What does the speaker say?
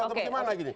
atau bagaimana gini